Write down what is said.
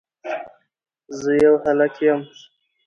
زه يو هلک يم